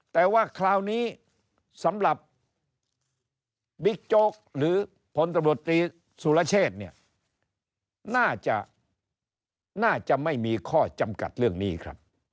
แต่ว่าคราวนี้สำหรับบิ๊กจ๊วกหรือพนธบดีศุรเชษน่าจะจะไม่มีข้อจำกัดเรื่องนี้ครับ